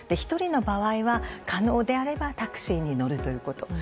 １人の場合は、可能であればタクシーに乗るということ。